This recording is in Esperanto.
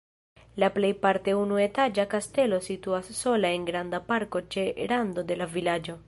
La plejparte unuetaĝa kastelo situas sola en granda parko ĉe rando de la vilaĝo.